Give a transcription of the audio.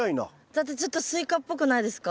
だってちょっとスイカっぽくないですか？